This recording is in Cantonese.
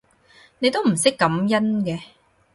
你都唔識感恩嘅